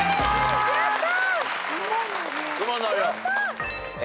やった！